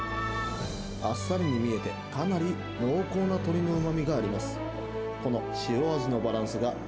あっさりに見えて、かなり濃厚な鶏のうまみがあります。